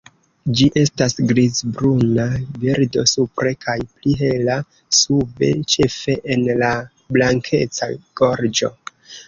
Ĝi estas grizbruna birdo supre kaj pli hela sube ĉefe en la blankeca gorĝo.